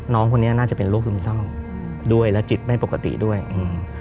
น้องคนนี้น่าจะเป็นโรคซึมเศร้าด้วยและจิตไม่ปกติด้วยอืม